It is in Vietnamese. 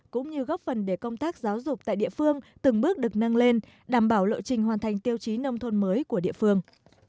cũng như góp phần để công tác giáo dục tại địa phương từng bước được nâng lên đảm bảo lộ trình hoàn thành tiêu chí nông thôn mới của địa phương